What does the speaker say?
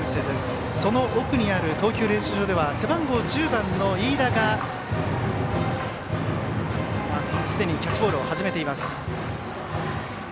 投球練習場では背番号１０番の飯田がすでにキャッチボールしています。